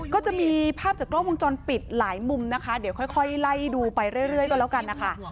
ก็จะมีภาพจากกล้องวงจรปิดหลายมุมนะคะเดี๋ยวค่อยไล่ดูไปเรื่อยก็แล้วกันนะคะ